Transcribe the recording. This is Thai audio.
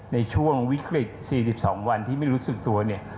ในช่วงวิกฤต๔๒วันที่ไม่รู้สึกตัวเนี่ย